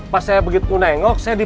pak supir tunggu di sini